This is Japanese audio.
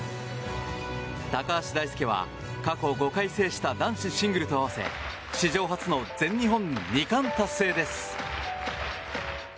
高橋大輔は過去５回制した男子シングルと合わせ史上初の全日本２冠達成です。